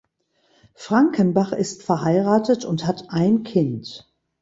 Frankenbach ist verheiratet und hat ein Kind.